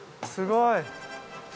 すごい。